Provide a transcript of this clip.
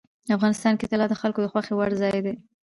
افغانستان کې طلا د خلکو د خوښې وړ ځای دی.